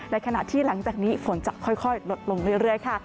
ขณะที่หลังจากนี้ฝนจะค่อยลดลงเรื่อยค่ะ